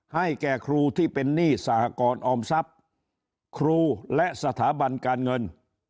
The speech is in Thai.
ให้แก่ครูที่เป็นหนี้สหกรออมทรัพย์ครูและสถาบันการเงิน